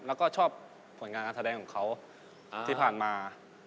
แล้วก็ชอบผลงานการแสดงของเขาที่ผ่านมา